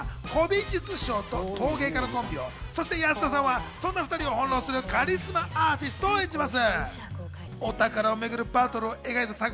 中井さんと蔵之介さんは古美術商と陶芸家のコンビを、そして安田さんはそんな２人を翻弄するカリスマアーティストを演じます。